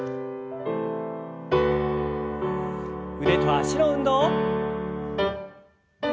腕と脚の運動。